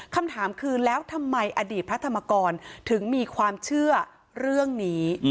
คำถามคือแล้วทำไมอดีตพระธรรมกรถึงมีความเชื่อเรื่องนี้